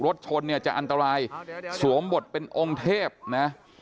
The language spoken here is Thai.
รถชนเนี่ยจะอันตรายสวมบทเป็นองค์เทพนะ